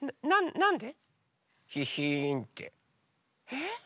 なんで？